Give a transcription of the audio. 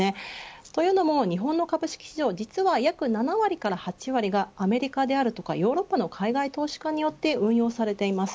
というのも日本の株式市場実は約７割から８割がアメリカであるとかヨーロッパの海外投資家によって応用されています。